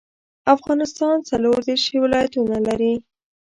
افغانستان څلوردیرش ولايتونه لري.